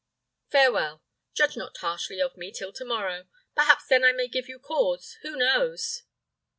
Farewell! Judge not harshly of me till to morrow; perhaps then I may give you cause; who knows?"